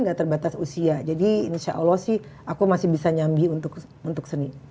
gak terbatas usia jadi insya allah sih aku masih bisa nyambi untuk seni